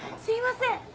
すいません。